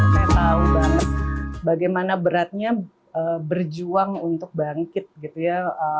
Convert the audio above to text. saya tahu banget bagaimana beratnya berjuang untuk bangkit gitu ya